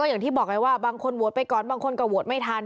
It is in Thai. อย่างที่บอกไงว่าบางคนโหวตไปก่อนบางคนก็โหวตไม่ทัน